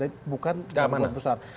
tapi bukan keamanan besar